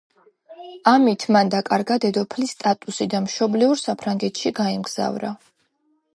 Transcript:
ამით მან დაკარგა დედოფლის სტატუსი და მშობლიურ საფრანგეთში გაემგზავრა.